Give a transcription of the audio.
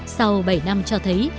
sau bảy năm cho thấy